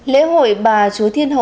lễ hội bà chúa thiên hồng